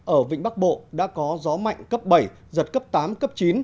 ở vịnh bắc bộ đã có gió mạnh cấp bảy giật cấp tám cấp chín